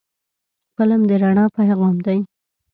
فلم د رڼا پیغام دی